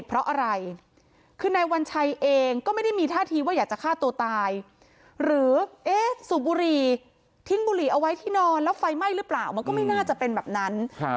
แล้วไฟไหม้หรือเปล่ามันก็ไม่น่าจะเป็นแบบนั้นครับ